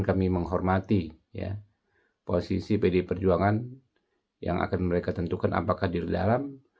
kami menghormati posisi pd perjuangan yang akan mereka tentukan apakah di dalam